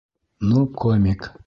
Ну, комик!..